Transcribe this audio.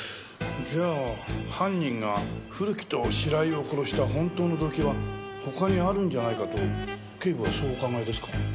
じゃあ犯人が古木と白井を殺した本当の動機は他にあるんじゃないかと警部はそうお考えですか？